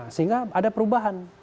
sehingga ada perubahan